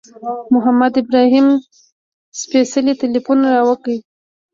محمد ابراهیم سپېڅلي تیلفون را وکړ.